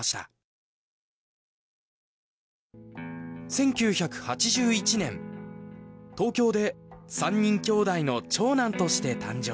１９８１年東京で３人きょうだいの長男として誕生。